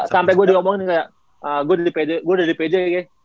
sampai gue dikomongin kayak gue udah di pj kayak